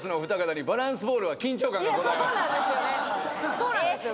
そうなんですよ。